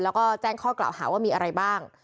แล้วก็แจ้งข้อกล่าวหาว่ามีอะไรบ้าง